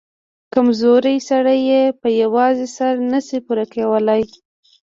کمزورى سړى يې په يوازې سر نه سي پورې کولاى.